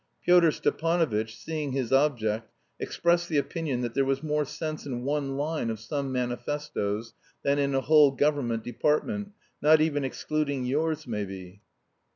Pyotr Stepanovitch, seeing his object, expressed the opinion that there was more sense in one line of some manifestoes than in a whole government department, "not even excluding yours, maybe."